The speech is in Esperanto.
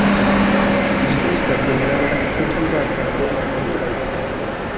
Ĝi estas ĝenerale kultivata je moderaj klimatoj.